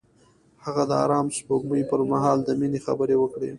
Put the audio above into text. هغه د آرام سپوږمۍ پر مهال د مینې خبرې وکړې.